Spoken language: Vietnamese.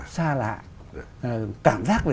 xa lạ cảm giác là